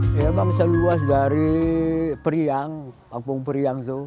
memang seluas dari periang kampung periang itu